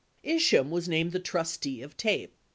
585 Isham was named the trustee of TAPE.